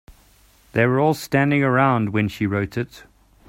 They were all standing around when she wrote it.